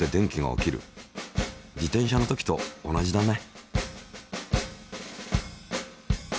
自転車のときと同じだね。